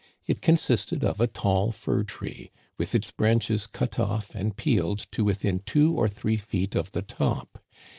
It consisted of a tall fir tree, with its branches cut off and peeled to within two or three feet of the top.